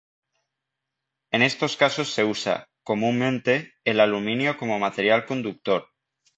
En estos casos se usa, comúnmente, el aluminio como material conductor.